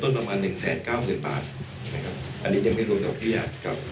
แต่เสร็จแล้วก็